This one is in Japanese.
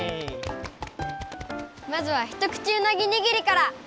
まずはひとくちうなぎにぎりから！